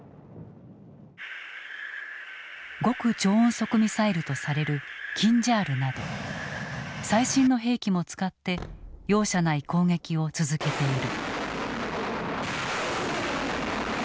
極超音速ミサイルとされるキンジャールなど最新の兵器も使って容赦ない攻撃を続けている。